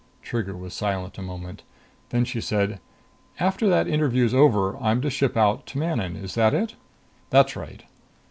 Trigger was silent a moment. Then she said, "After that interview's over, I'm to ship out to Manon is that it?" "That's right."